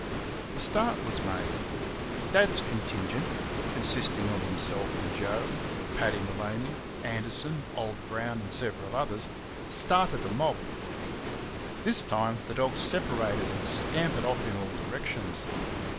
A start was made. Dad's contingent consisting of himself and Joe, Paddy Maloney, Anderson, old Brown, and several others started a mob. This time the dogs separated and scampered off in all directions.